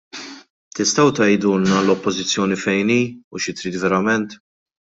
Tistgħu tgħidulna l-Oppożizzjoni fejn hi u xi trid verament?